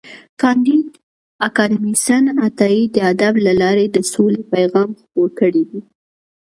کانديد اکاډميسن عطايي د ادب له لارې د سولې پیغام خپور کړی دی.